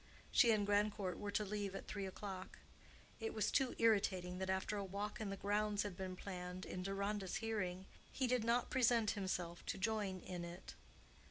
She and Grandcourt were to leave at three o'clock. It was too irritating that after a walk in the grounds had been planned in Deronda's hearing, he did not present himself to join in it.